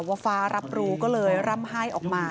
ว่าฟ้ารับรู้ก็เลยร่ำไห้ออกมา